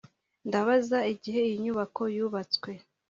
Ndabaza igihe iyi nyubako yubatswe